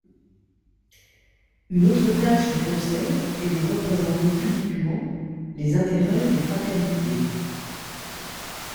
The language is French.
Une autre tâche du conseil est de représenter publiquement les intérêts des fraternités.